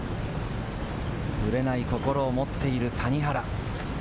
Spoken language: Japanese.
ぶれない心を持っている谷原。